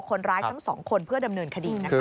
คนร้ายทั้งสองคนเพื่อดำเนินคดี